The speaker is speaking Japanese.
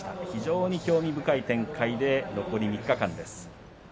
非常に興味深い展開で残り３日間。